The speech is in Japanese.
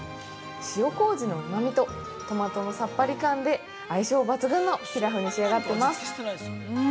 塩こうじのうまみとトマトのさっぱり感で相性抜群のピラフに仕上がっています。